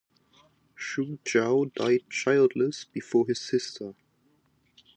Xu Jiao died childless before his sister.